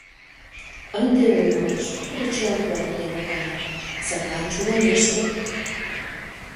Ынде умылыш, тудо чын корно дене кая, садлан чулымеште.